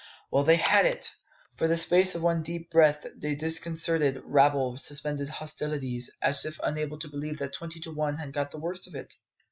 Well they had it! For the space of one deep breath the disconcerted rabble suspended hostilities, as if unable to believe that Twenty to one had got the worst of it.